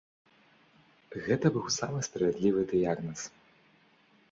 Гэта быў самы справядлівы дыягназ.